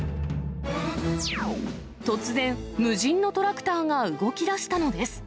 突然、無人のトラクターが動きだしたのです。